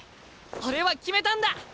俺は決めたんだ！